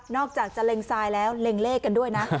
อกจากจะเล็งทรายแล้วเล็งเลขกันด้วยนะ